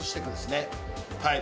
はい。